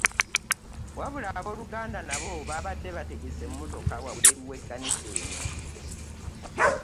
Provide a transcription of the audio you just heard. Wabula abooluganda nabo babadde bategese emmotoka wabweru w'ekkanisa eno